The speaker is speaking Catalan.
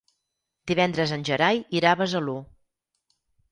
Divendres en Gerai irà a Besalú.